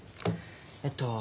えっと